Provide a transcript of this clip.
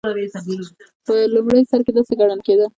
په لومړي سر کې داسې ګڼل کېده.